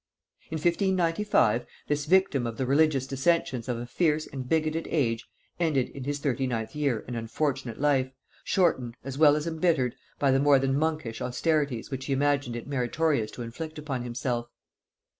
In 1595, this victim of the religious dissensions of a fierce and bigoted age ended in his thirty ninth year an unfortunate life, shortened, as well as embittered, by the more than monkish austerities which he imagined it meritorious to inflict upon himself.